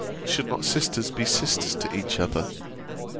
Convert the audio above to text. Should not sisters be sisters to each other?